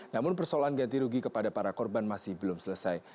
namun persoalan ganti rugi kepada para korban masih belum selesai